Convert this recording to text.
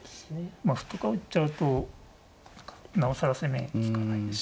まあ歩とか打っちゃうとなおさら攻めに利かないですし。